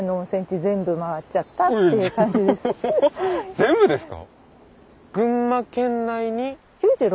全部ですか！